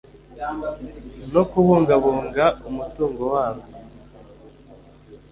no kubungabunga umutungo waryo